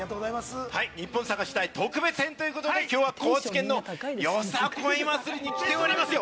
ニッポン探し隊特別編ということで、きょうは高知県のよさこい祭りに来ておりますよ。